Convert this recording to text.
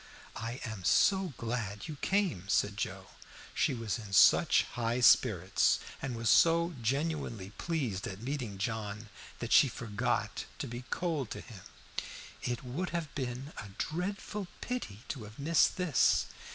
"I am so glad you came," said Joe. She was in such high spirits and was so genuinely pleased at meeting John that she forgot to be cold to him. "It would have been a dreadful pity to have missed this."